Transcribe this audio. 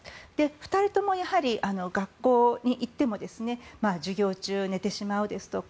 ２人とも学校に行っても授業中寝てしまうですとか